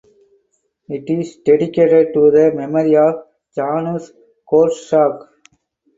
It is dedicated to the memory of Janusz Korczak.